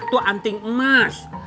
itu anting emas